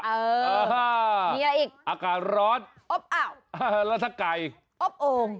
นี่ล่ะอีกอครฟย์รสแล้วถ้าใกล้อบเงิง